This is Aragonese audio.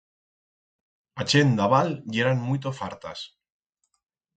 A chent d'a val yeran muito fartas.